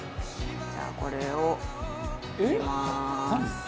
じゃあこれを入れます。